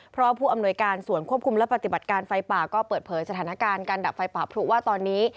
เพราะว่าผู้อำนวยการส่วนควบคุมและปฏิบัติการไฟป่าก็เปิดเผยสถานการณ์การดับไฟป่าพลุว่าตอนนี้